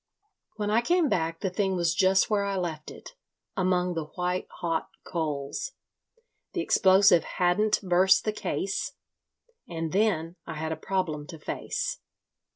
"When I came back the thing was just where I left it, among the white hot coals. The explosive hadn't burst the case. And then I had a problem to face.